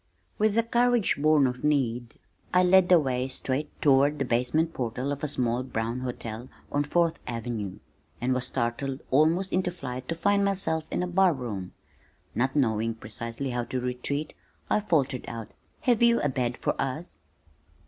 With a courage born of need I led the way straight toward the basement portal of a small brown hotel on Fourth Avenue, and was startled almost into flight to find myself in a bar room. Not knowing precisely how to retreat, I faltered out, "Have you a bed for us?"